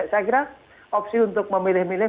saya kira opsi untuk memilih milih